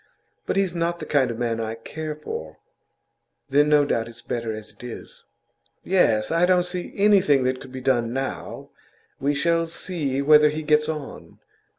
But he's not the kind of man I care for.' 'Then no doubt it's better as it is.' 'Yes. I don't see that anything could be done now. We shall see whether he gets on.